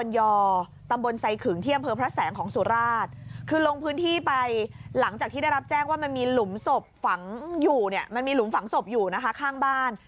อยู่เนี่ยมันมีหลุมฝังศพอยู่นะคะข้างบ้าน